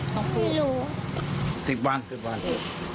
เครียดเพราะอะไรต้องพูด